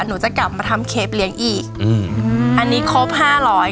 หนูจะกลับมาทำเคปเลี้ยงอีกอืมอันนี้ครบห้าร้อย